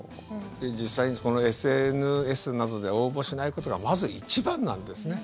実際、ＳＮＳなどで応募しないことがまず一番なんですね。